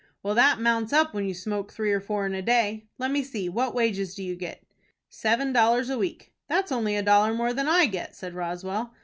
"Well, that mounts up when you smoke three or four in a day. Let me see, what wages do you get?" "Seven dollars a week." "That's only a dollar more than I get," said Roswell.